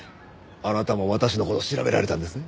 あなたも私の事調べられたんですね？